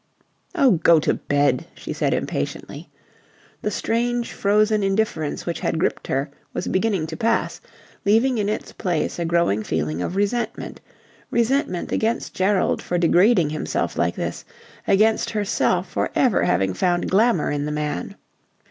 "Oh, go to bed," she said impatiently. The strange frozen indifference which had gripped her was beginning to pass, leaving in its place a growing feeling of resentment resentment against Gerald for degrading himself like this, against herself for ever having found glamour in the man.